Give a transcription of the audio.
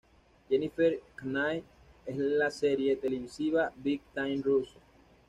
Jennifer Knight en la serie televisiva "Big Time Rush".